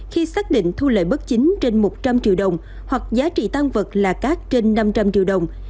khi xác định thu lợi bất chính trên một trăm linh triệu đồng hoặc giá trị tan vật là các trên năm trăm linh triệu đồng